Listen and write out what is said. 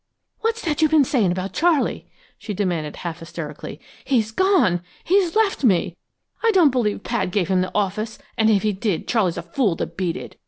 "What's that you're sayin' about Charley?" she demanded half hysterically. "He's gone! He's left me! I don't believe Pad gave him the office, and if he did, Charley's a fool to beat it!